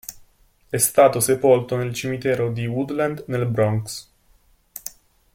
È stato sepolto nel cimitero di Woodlawn nel Bronx.